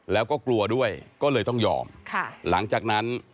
แล้วก็กลัวด้วยก็เลยต้องยอมค่ะหลังจากนั้น